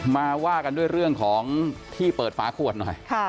มาว่ากันด้วยเรื่องของที่เปิดฝาขวดหน่อย